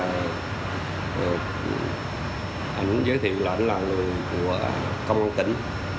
anh cũng giới thiệu là anh là người của công an tỉnh